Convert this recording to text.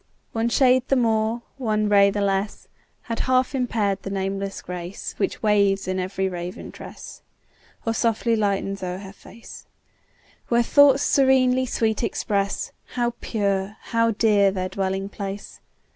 One shade the more, one ray the less, Had half impair'd the nameless grace Which waves in every raven tress, Or softly lightens o'er her face; Where thoughts serenely sweet express How pure, how dear their dwelling place.